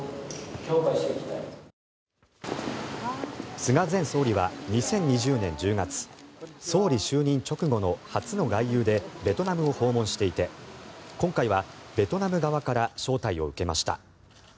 菅前総理は２０２０年１０月総理就任直後の初の外遊でベトナムを訪問していて今回はベトナム側から招待を受けました。